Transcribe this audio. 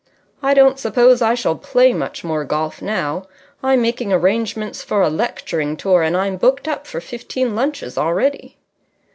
I don't suppose I shall play much more golf now. I'm making arrangements for a lecturing tour, and I'm booked up for fifteen lunches already."